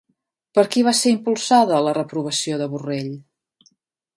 Per qui va ser impulsada la reprovació de Borrell?